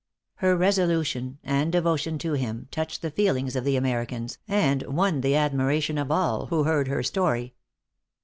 Her resolution, and devotion to him, touched the feelings of the Americans, and won the admiration of all who heard her story.